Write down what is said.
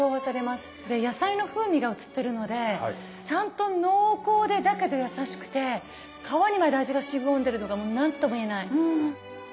で野菜の風味が移ってるのでちゃんと濃厚でだけどやさしくて皮にまで味がしみこんでるのがもう何とも言えない。